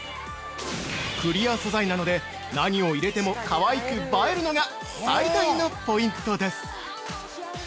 クリア素材なので、何を入れてもかわいく映えるのが最大のポイントです。